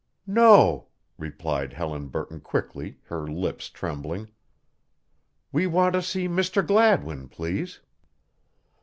"No," replied Helen Burton quickly, her lips trembling; "we want to see Mr. Gladwin, please."